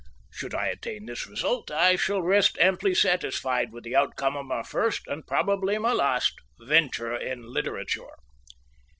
Should I attain this result, I shall rest amply satisfied with the outcome of my first, and probably my last, venture in literature.